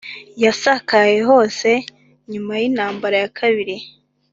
yasakaye hose nyuma y'intambara ya kabiri